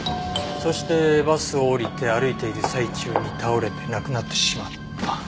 そしてバスを降りて歩いている最中に倒れて亡くなってしまった。